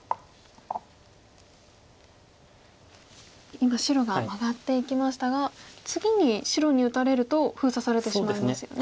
今白がマガっていきましたが次に白に打たれると封鎖されてしまいますよね。